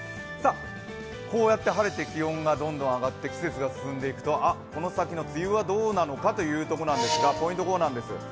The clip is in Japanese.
こうやって晴れて気温がどんどん上がって季節が進んでいくとこの先の梅雨はどうなのかというところですが、ポイント、こうなんです。